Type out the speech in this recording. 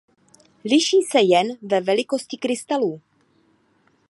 Liší se jen ve velikosti krystalů.